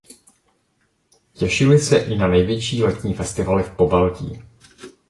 Těšili se i na největší letní festivaly v Pobaltí.